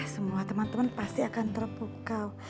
semua teman teman pasti akan terpukau